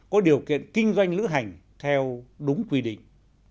có điều kiện kinh doanh lữ hành theo đúng quy định